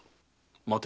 待て。